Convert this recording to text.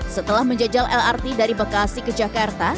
setelah menjajal lrt dari bekasi ke jakarta